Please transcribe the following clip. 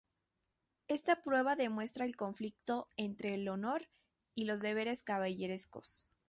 Esta prueba demuestra el conflicto entre el honor y los deberes caballerescos.